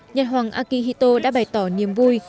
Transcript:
nhật hoàng akihito đã bày tỏ niềm vui